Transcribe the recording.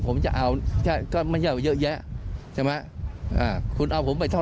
ผมจะเอาใช่ก็ไม่ใช่เอาเยอะแยะใช่ไหมอ่าคุณเอาผมไปเท่า